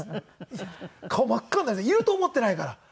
顔真っ赤になっていると思っていないから。